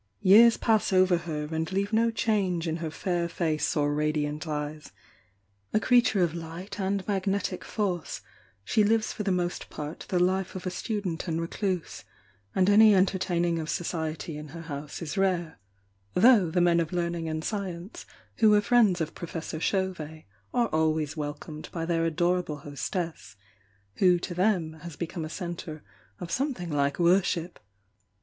Years pass over her and leave no change in her fair face or radiant eyes, — a creature of light and magnetic force, she lives for the most part the life of a student and recluse, and any entertaining of society in her house is rare, though the men of learning ai'd science who were friends of Professor Chauvet are always welcomed by their adorable hostess, who to them has become a centre of something like worship.